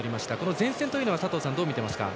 前線というのは、佐藤さんはどう見ていますか？